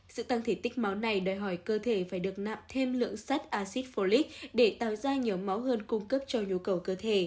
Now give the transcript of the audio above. sự tăng thể tích máu này đòi hỏi cơ thể phải được nạm thêm lượng sắt acid folic để tạo ra nhiều máu hơn cung cấp cho nhu cầu cơ thể